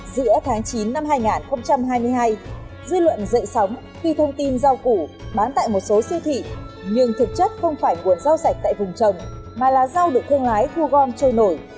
giữa tháng chín năm hai nghìn hai mươi hai dư luận dậy sóng khi thông tin rau củ bán tại một số siêu thị nhưng thực chất không phải nguồn rau sạch tại vùng trồng mà là rau được thương lái thu gom trôi nổi